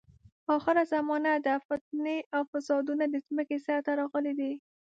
اخره زمانه ده، فتنې او فسادونه د ځمکې سر ته راغلي دي.